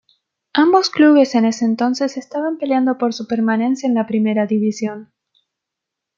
Ambos clubes en ese entonces estaban peleando por su permanencia en la primera División.